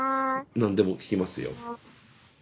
何でも聞きますよ。